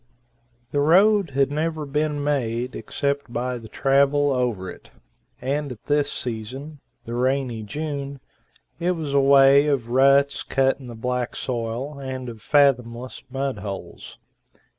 The road had never been made except by the travel over it, and at this season the rainy June it was a way of ruts cut in the black soil, and of fathomless mud holes.